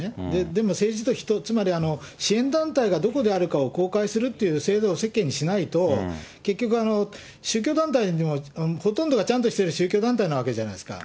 でも、政治と人、つまり支援団体がどこであるかを公開するっていう制度設計にしないと、結局、宗教団体もほとんどがちゃんとしてる宗教団体なわけじゃないですか。